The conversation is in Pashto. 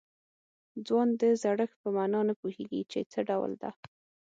ځوان د زړښت په معنا نه پوهېږي چې څه ډول ده.